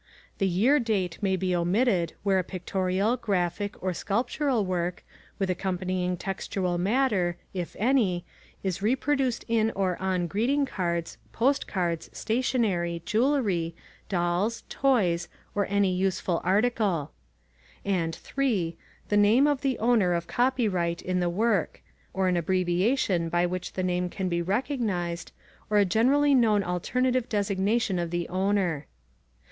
The year date may be omitted where a pictorial, graphic, or sculptural work, with accompanying textual matter, if any, is reproduced in or on greeting cards, postcards, stationery, jewelry, dolls, toys, or any useful article; and 3. The name of the owner of copyright in the work, or an abbreviation by which the name can be recognized, or a generally known alternative designation of the owner.